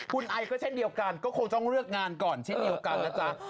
คุณไอก็เช่นเดียวกันก็คงต้องเลือกงานก่อนเช่นเดียวกันนะจ๊ะ